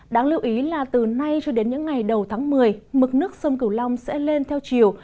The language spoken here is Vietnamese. đáng lưu ý là từ nay cho đến những ngày đầu tháng một mươi mực nước sông cửu long sẽ lên theo chiều